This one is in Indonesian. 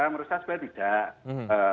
menurut saya sebenarnya tidak